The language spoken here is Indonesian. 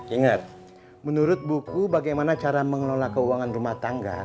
ingat menurut buku bagaimana cara mengelola keuangan rumah tangga